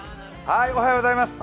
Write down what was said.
おはようございます。